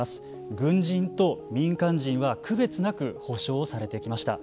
軍人と民間人は区別なく補償されてきました。